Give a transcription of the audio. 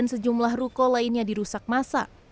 sejumlah ruko lainnya dirusak masa